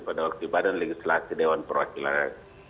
pada waktu di badan legislasi dewan perwakilan ri